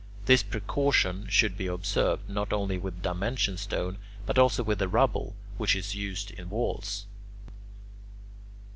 This precaution should be observed, not only with dimension stone, but also with the rubble which is to be used in walls.